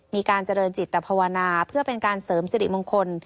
มีการเจริญจิตภาวนาเพื่อเป็นการเสริมสิริมงคล